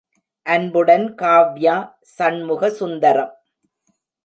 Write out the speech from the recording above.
அன்புடன் காவ்யா சண்முகசுந்தரம்.